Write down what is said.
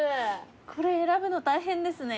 これ選ぶの大変ですね。